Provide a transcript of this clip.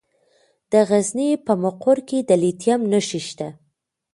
د غزني په مقر کې د لیتیم نښې شته.